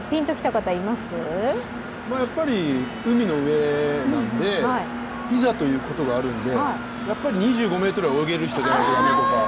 やっぱり海の上なのでいざということがあるんで、２５ｍ泳げる人じゃないといけないとか。